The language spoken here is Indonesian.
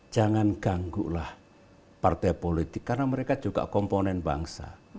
jangan ganggulah partai politik karena mereka juga komponen bangsa